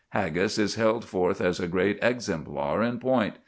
Haggis is held forth as a great exemplar in point.